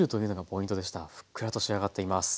ふっくらと仕上がっています。